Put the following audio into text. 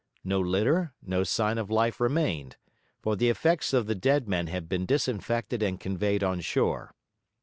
No litter, no sign of life remained; for the effects of the dead men had been disinfected and conveyed on shore.